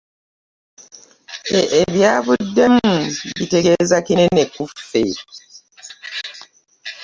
Ebyavuddemu bitegeeza kinene ku ffe.